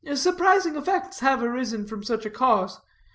Surprising effects have arisen from such a cause.